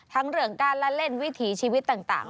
เรื่องการละเล่นวิถีชีวิตต่าง